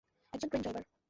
একজন crane driver.